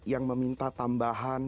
yang meminta tambahan